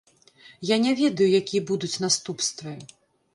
Я не ведаю, якія будуць наступствы.